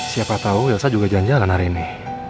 siapa tau yelza juga jalan jalan hari ini